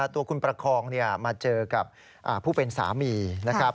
ตัวคุณประคองมาเจอกับผู้เป็นสามีนะครับ